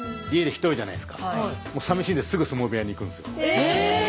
え！